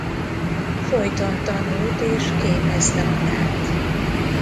Folyton tanult és képezte magát.